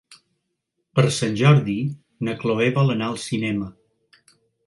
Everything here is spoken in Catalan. Per Sant Jordi na Cloè vol anar al cinema.